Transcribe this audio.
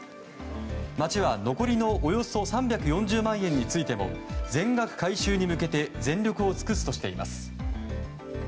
町は、残りのおよそ３４０万円についても全額回収に向けて全力を尽くすとしています。